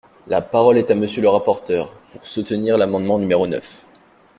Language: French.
La parole est à Monsieur le rapporteur, pour soutenir l’amendement numéro neuf.